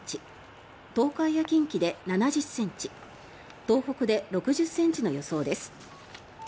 東海や近畿で７０ｃｍ東北で６０ｃｍの予想です。